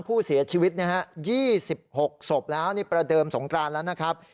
ผู้เสียชีวิต๒๖ศพแล้วนี่ประเดิมสงกรานแล้วนะครับ